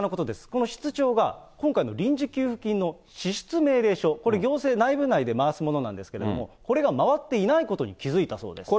この室長が今回の臨時給付金の支出命令書、これ行政内部内で回すものなんですけれども、これが回っていないことに気付いたそうです。